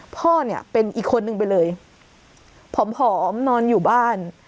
พ่อเนี่ยเป็นอีกคนนึงไปเลยผอมนอนอยู่บ้าน